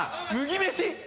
「麦飯」？